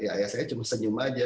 ayah saya cuma senyum aja